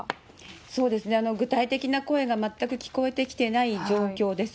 そうですね、具体的な声が全く聞こえてきてない状況です。